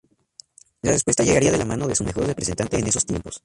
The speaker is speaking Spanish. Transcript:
La respuesta llegaría de la mano de su mejor representante en esos tiempos.